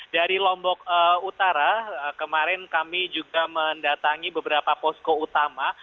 dari lombok utara kemarin kami juga mendatangi beberapa posko utama